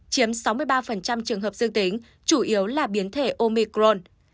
chiếm sáu mươi ba trường hợp dương tính chủ yếu là biến thể omicron